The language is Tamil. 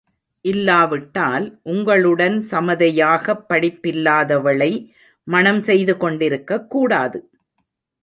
இல்லாவிட்டால், உங்களுடன் சமதையாகப் படிப்பில்லாதவளை மணம் செய்துகொண்டிருக்கக் கூடாது.